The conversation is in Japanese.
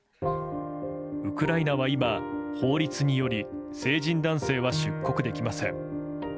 ウクライナは今、法律により成人男性は出国できません。